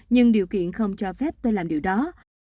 nhưng điều kiện không cho phép tôi làm điều đó